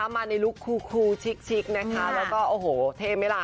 มาในลุคคูชิกนะคะแล้วก็โอ้โหเท่ไหมล่ะ